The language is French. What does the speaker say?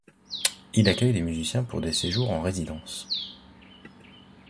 Il accueille des musiciens pour des séjours en résidence.